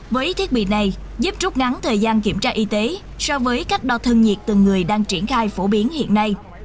với thiết bị này giúp trút ngắn thời gian kiểm tra y tế so với cách đo thân nhiệt từng người đang triển khai phổ biến hiện nay